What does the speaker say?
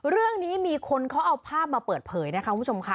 เรื่องนี้มีคนเขาเอาภาพมาเปิดเผยนะคะคุณผู้ชมค่ะ